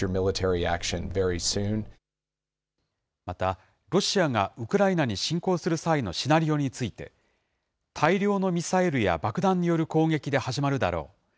また、ロシアがウクライナに侵攻する際のシナリオについて、大量のミサイルや爆弾による攻撃で始まるだろう。